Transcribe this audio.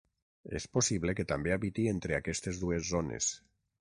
És possible que també habiti entre aquestes dues zones.